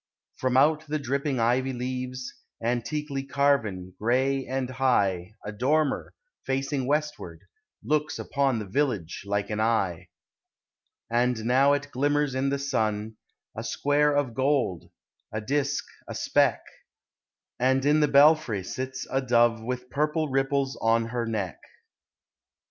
From out the dripping ivy leaves, Antiquely carven, gray and high, A dormer, facing westward, looks Upon the village like an eye. And now it glimmers in the sun, A square of gold, a disc a speck: And in the belfry sits a Dove With purple ripples on her neck.